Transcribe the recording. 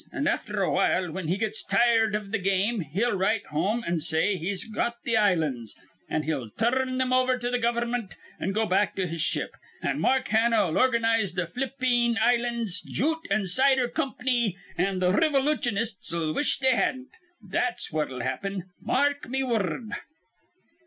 An' afther awhile, whin he gits tired iv th' game, he'll write home an' say he's got the islands; an' he'll tur rn thim over to th' gover'mint an' go back to his ship, an' Mark Hanna'll organize th' F'lip ine Islands Jute an' Cider Comp'ny, an' th' rivolutchinists'll wish they hadn't. That's what'll happen. Mark me wurrud."